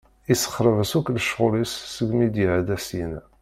Isexreb-as akk lecɣal-is seg mi d-iɛedda syenna.